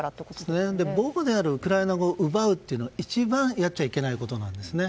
母語であるウクライナ語を奪うというのは一番やっちゃいけないことなんです。